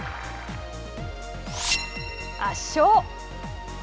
圧勝！！